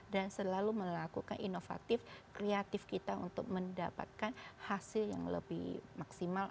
dan selalu melakukan inovatif kreatif kita untuk mendapatkan hasil yang lebih maksimal